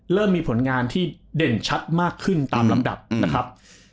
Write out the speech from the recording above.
เริ่มมีผลงานที่เด่นชัดมากขึ้นตามลำดับนะครับ